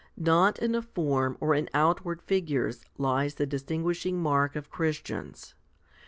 2 Not in a form or in outward figures lies the distinguishing mark of Christians.